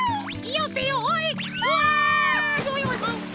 よせよおい。